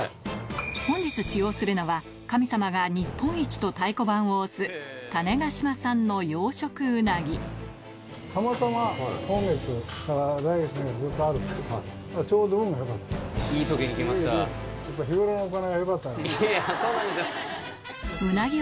本日使用するのは神様が日本一と太鼓判を押すそうなんですよ。